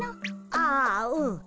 ああうん。